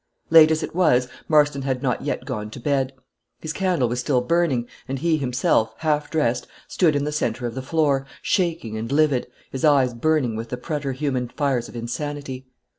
Late as it was, Marston had not yet gone to bed; his candle was still burning, and he himself, half dressed, stood in the center of the floor, shaking and livid, his eyes burning with the preterhuman fires of insanity.